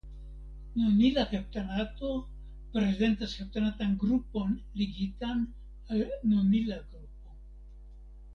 Nonila heptanato prezentas heptanatan grupon ligitan al nonila grupo.